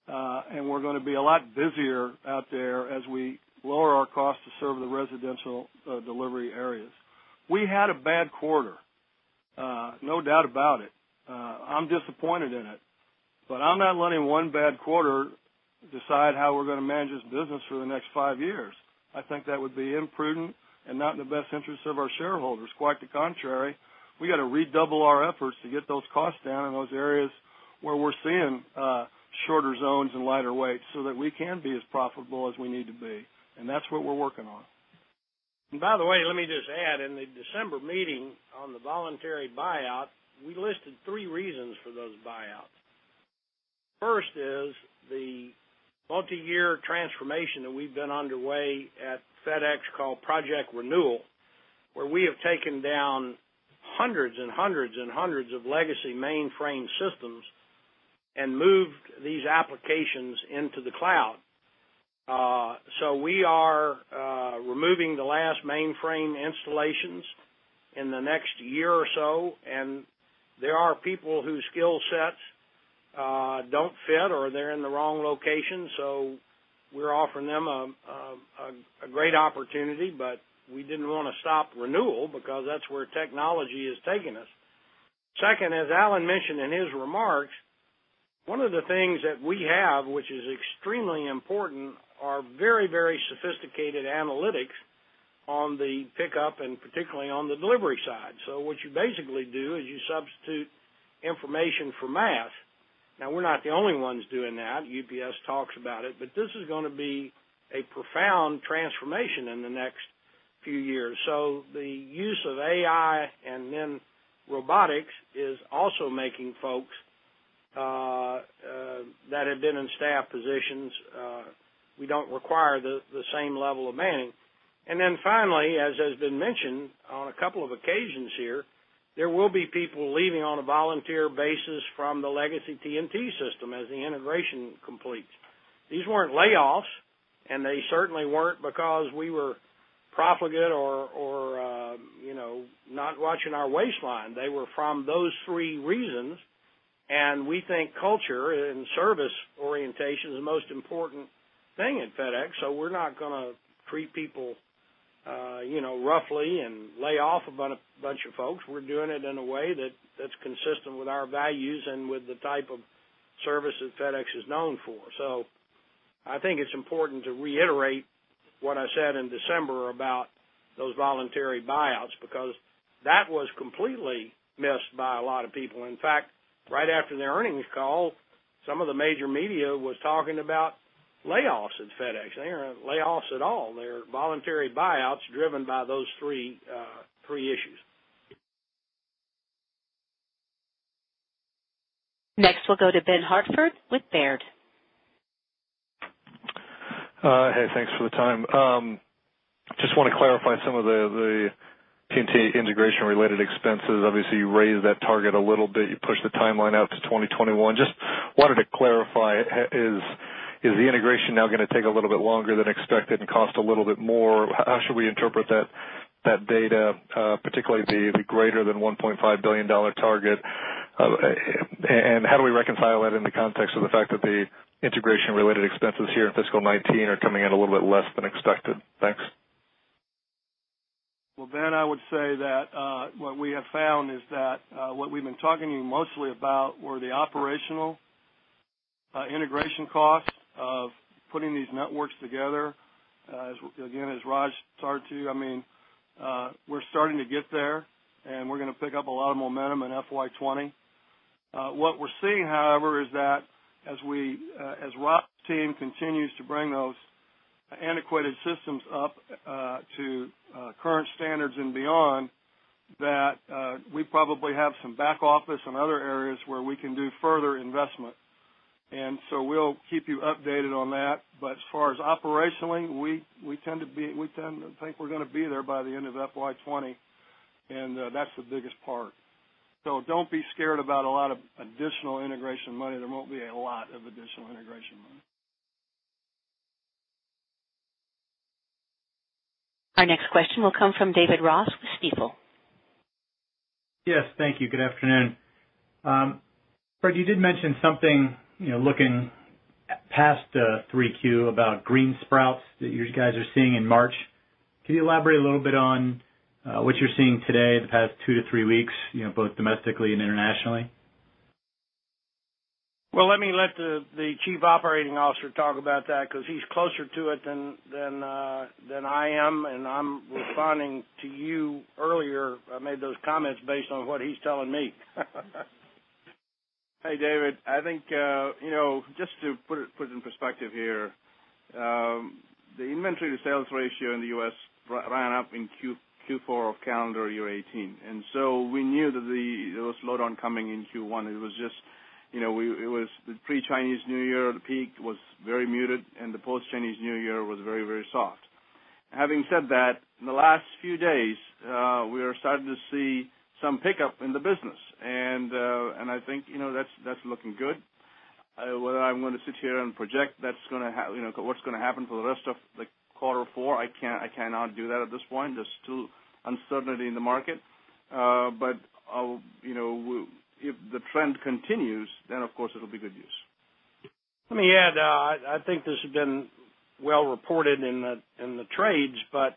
and we are going to be a lot busier out there as we lower our costs to serve the residential delivery areas. We had a bad quarter. No doubt about it. I'm disappointed in it. I am not letting one bad quarter decide how we are going to manage this business for the next five years. I think that would be imprudent and not in the best interest of our shareholders. Quite the contrary, we got to redouble our efforts to get those costs down in those areas where we are seeing shorter zones and lighter weight so that we can be as profitable as we need to be. That is what we are working on. By the way, let me just add, in the December meeting on the voluntary buyout, we listed three reasons for those buyouts. First is the multi-year transformation that we have been underway at FedEx called Project Renewal, where we have taken down hundreds and hundreds and hundreds of legacy mainframe systems and moved these applications into the cloud. We are removing the last mainframe installations in the next year or so, and there are people whose skill sets do not fit, or they are in the wrong location. We are offering them a great opportunity, but we did not want to stop Project Renewal because that is where technology is taking us. Second, as Alan mentioned in his remarks, one of the things that we have, which is extremely important, are very sophisticated analytics on the pickup and particularly on the delivery side. What you basically do is you substitute information for math. Now, we're not the only ones doing that. UPS talks about it. The use of AI and then robotics is also making folks that have been in staff positions, we do not require the same level of manning. Finally, as has been mentioned on a couple of occasions here, there will be people leaving on a volunteer basis from the legacy TNT system as the integration completes. These weren't layoffs, and they certainly weren't because we were profligate or not watching our waistline. They were from those three reasons, and we think culture and service orientation is the most important thing at FedEx. So we are not going to treat people roughly and lay off a bunch of folks. We're doing it in a way that's consistent with our values and with the type of service that FedEx is known for. I think it's important to reiterate what I said in December about those voluntary buyouts because that was completely missed by a lot of people. In fact, right after the earnings call, some of the major media was talking about layoffs at FedEx. They aren't layoffs at all. They're voluntary buyouts driven by those three issues. Next, we'll go to Ben Hartford with Baird. Hey, thanks for the time. Just want to clarify some of the TNT integration related expenses. Obviously, you raised that target a little bit. You pushed the timeline out to 2021. Just wanted to clarify, is the integration now going to take a little bit longer than expected and cost a little bit more? How should we interpret that data, particularly the greater than $1.5 billion target? How do we reconcile that in the context of the fact that the integration related expenses here in fiscal 2019 are coming in a little bit less than expected? Thanks. Well, Ben, I would say that what we have found is that what we've been talking to you mostly about were the operational integration costs of putting these networks together. Again, as Raj started to, we're starting to get there, and we're going to pick up a lot of momentum in FY 2020. What we're seeing, however, is that as Rob's team continues to bring those antiquated systems up to current standards and beyond, that we probably have some back office and other areas where we can do further investment. We'll keep you updated on that. As far as operationally, we tend to think we're going to be there by the end of FY 2020, and that's the biggest part. Don't be scared about a lot of additional integration money. There won't be a lot of additional integration money. Our next question will come from David Ross with Stifel. Yes. Thank you. Good afternoon. Fred, you did mention something looking past 3Q about green sprouts that you guys are seeing in March. Can you elaborate a little bit on what you're seeing today, the past two to three weeks, both domestically and internationally? Well, let me let the Chief Operating Officer talk about that because he's closer to it than I am, and I'm responding to you earlier. I made those comments based on what he's telling me. Hey, David. I think, just to put it in perspective here, the inventory to sales ratio in the U.S. ran up in Q4 of calendar year 2018. We knew that there was a slowdown coming in Q1. It was the pre-Chinese New Year. The peak was very muted, and the post-Chinese New Year was very soft. Having said that, in the last few days, we are starting to see some pickup in the business. I think that's looking good. Whether I'm going to sit here and project what's going to happen for the rest of quarter four, I cannot do that at this point. There's still uncertainty in the market. If the trend continues, then of course it'll be good news. Let me add, I think this has been well reported in the trades, but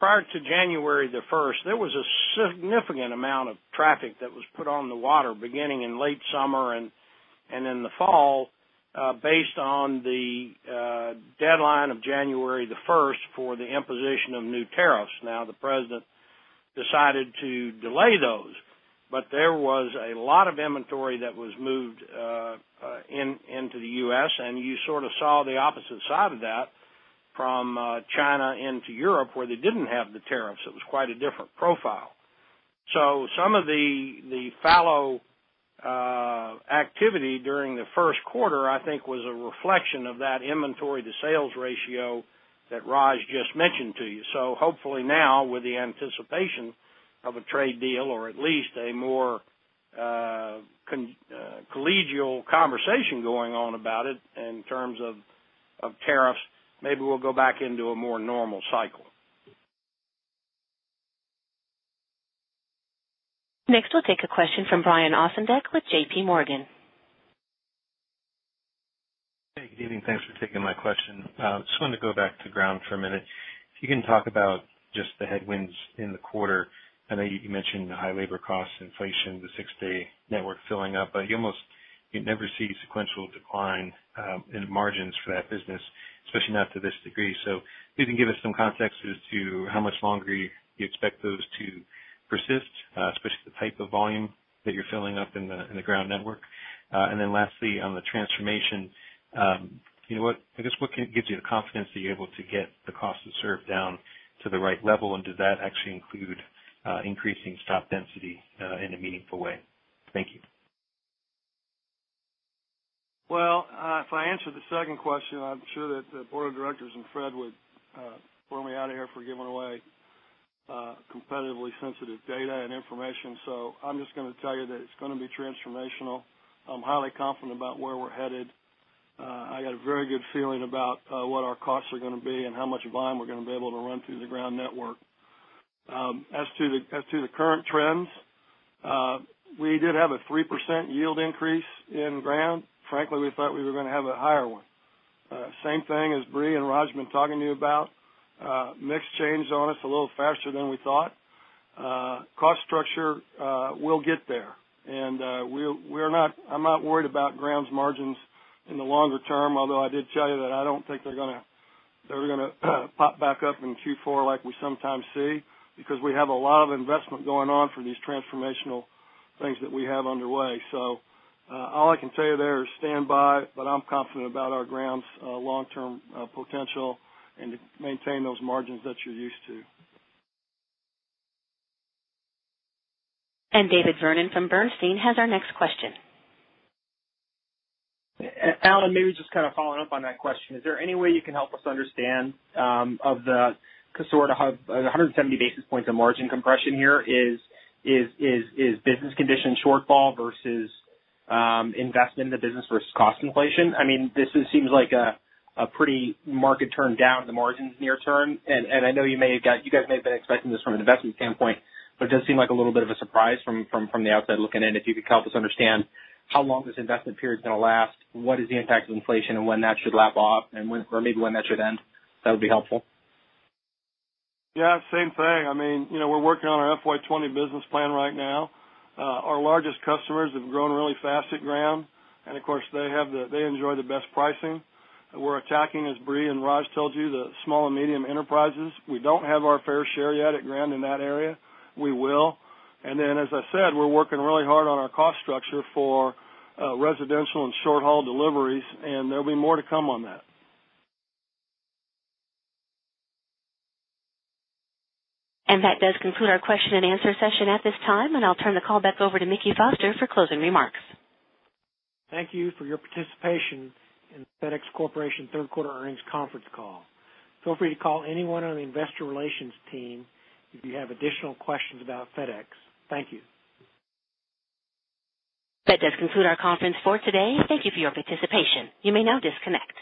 prior to January 1st, there was a significant amount of traffic that was put on the water beginning in late summer and in the fall based on the deadline of January 1st for the imposition of new tariffs. Now, the president decided to delay those, but there was a lot of inventory that was moved into the U.S. And you sort of saw the opposite side of that from China into Europe, where they didn't have the tariffs. It was quite a different profile. Some of the fallow activity during the first quarter, I think, was a reflection of that inventory to sales ratio that Raj just mentioned to you. Hopefully now, with the anticipation of a trade deal or at least a more collegial conversation going on about it in terms of tariffs, maybe we'll go back into a more normal cycle. Next, we'll take a question from Brian Ossenbeck with J.P. Morgan. Hey, good evening. Thanks for taking my question. I just wanted to go back to Ground for a minute. If you can talk about just the headwinds in the quarter. I know you mentioned the high labor costs, inflation, the 6-day network filling up, but you never see sequential decline in margins for that business, especially not to this degree. If you can give us some context as to how much longer you expect those to persist, especially the type of volume that you're filling up in the Ground network. And then lastly, on the transformation, I guess what gives you the confidence that you're able to get the cost to serve down to the right level? And does that actually include increasing stop density in a meaningful way? Thank you. Well, if I answer the second question, I'm sure that the board of directors and Fred would burn me out of here for giving away competitively sensitive data and information. I'm just going to tell you that it's going to be transformational. I'm highly confident about where we're headed. I got a very good feeling about what our costs are going to be and how much volume we're going to be able to run through the Ground network. As to the current trends, we did have a 3% yield increase in Ground. Frankly, we thought we were going to have a higher one. Same thing as Brie and Raj have been talking to you about. Mix changed on us a little faster than we thought. Cost structure, we'll get there. I'm not worried about Ground's margins in the longer term, although I did tell you that I don't think they're going to pop back up in Q4 like we sometimes see because we have a lot of investment going on for these transformational things that we have underway. All I can tell you there is stand by, but I'm confident about our Ground's long-term potential and to maintain those margins that you're used to. David Vernon from Bernstein has our next question. Alan, maybe just following up on that question. Is there any way you can help us understand of the sort of 170 basis points of margin compression here? Is business condition shortfall versus investment in the business versus cost inflation? This seems like a pretty market turn down in the margins near term, and I know you guys may have been expecting this from an investment standpoint, but it does seem like a little bit of a surprise from the outside looking in. If you could help us understand how long this investment period is going to last, what is the impact of inflation and when that should lap off or maybe when that should end, that would be helpful. Same thing. We're working on our FY 2020 business plan right now. Our largest customers have grown really fast at Ground, of course they enjoy the best pricing. We're attacking, as Brie and Raj told you, the small and medium enterprises. We don't have our fair share yet at Ground in that area. We will. As I said, we're working really hard on our cost structure for residential and short-haul deliveries, and there'll be more to come on that. That does conclude our question and answer session at this time, I'll turn the call back over to Mickey Foster for closing remarks. Thank you for your participation in FedEx Corporation third quarter earnings conference call. Feel free to call anyone on the investor relations team if you have additional questions about FedEx. Thank you. That does conclude our conference for today. Thank you for your participation. You may now disconnect.